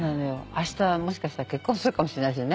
あしたもしかしたら結婚するかもしれないしね。